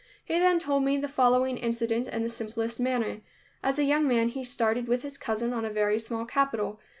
He then told me the following incident in the simplest manner. As a young man he started with his cousin on a very small capital.